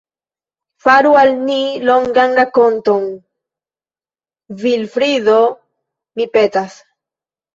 Faru al ni longan rakonton, Vilfrido, mi petas.